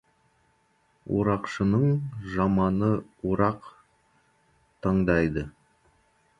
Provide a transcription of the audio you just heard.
Орақшының жаманы орақ таңдайды.